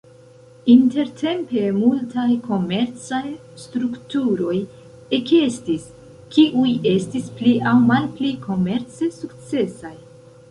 Intertempe multaj komercaj strukturoj ekestis, kiuj estis pli aŭ malpli komerce sukcesaj.